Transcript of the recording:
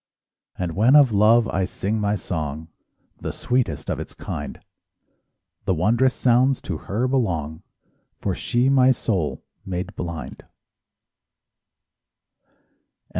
And when of love I sing my song, —The sweetest of its kind,— The wondrous sounds to her belong— For she my soul made blind.